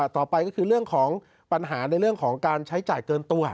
ต่อไปก็คือเรื่องของปัญหาในเรื่องของการใช้จ่ายเกินตัว